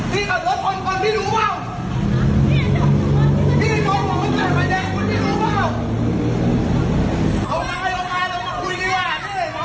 พี่ขัดรถทนพี่รู้เปล่า